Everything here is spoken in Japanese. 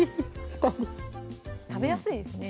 ２人食べやすいですね